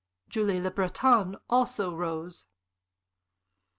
Julie Le Breton also rose.